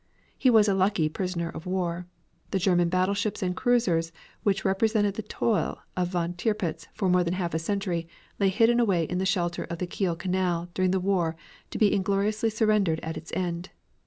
He was a lucky prisoner of war. The German battleships and cruisers which represent the toil of von Tirpitz for more than half a century, lay hidden away in the shelter of the Kiel Canal during the war to be ingloriously surrendered at its end.